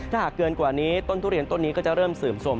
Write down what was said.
ถ้าหากเกินกว่านี้ต้นทุเรียนต้นนี้ก็จะเริ่มเสื่อมสม